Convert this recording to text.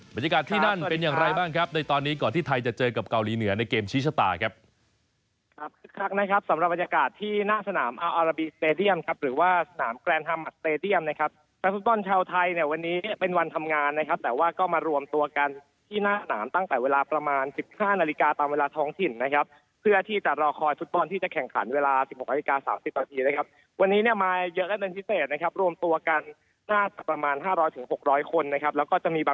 บรรยากาศที่นั่นเป็นอย่างไรบ้างครับในตอนนี้ก่อนที่ไทยจะเจอกับเกาหลีเหนือในเกมชี้ชะตาครับ